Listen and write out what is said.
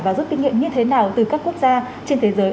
và rút kinh nghiệm như thế nào từ các quốc gia trên thế giới